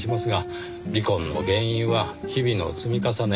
離婚の原因は日々の積み重ね。